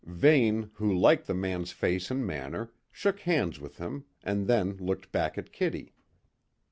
Vane, who liked the man's face and manner, shook hands with him, and then looked back at Kitty.